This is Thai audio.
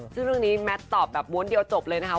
ซึ่งเรื่องนี้แมทตอบแบบม้วนเดียวจบเลยนะคะ